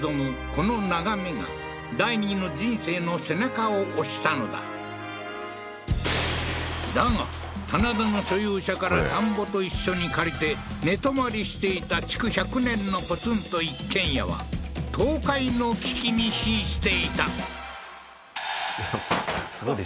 この眺めが第２の人生の背中を押したのだだが棚田の所有者から田んぼと一緒に借りて寝泊まりしていた築１００年のポツンと一軒家は倒壊の危機にひんしていたうわ